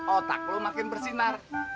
otak lu makin bersinar